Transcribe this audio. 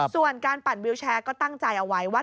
ส่วนการปั่นวิวแชร์ก็ตั้งใจเอาไว้ว่า